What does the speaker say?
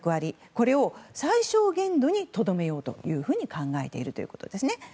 これを最小限度にとどめようと考えているということですね。